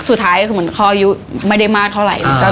แต่สุดท้ายค่อยยุไม่ได้มากเท่าไหร่